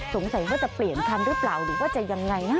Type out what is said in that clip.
สงสัยจะเปลี่ยนครับหรือจะยังไง